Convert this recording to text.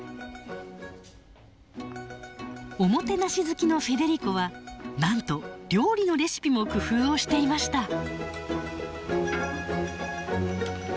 おもてなし好きのフェデリコはなんと料理のレシピも工夫をしていました。